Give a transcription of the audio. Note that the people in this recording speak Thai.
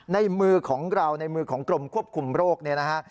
ในมือของเราในมือของกรมควบคุมโรคเนี่ยนะฮะ